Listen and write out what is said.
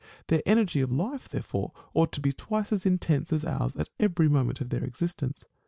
Their energy of life therefore ought to be twice as intense as ours at every moment of their exis tence.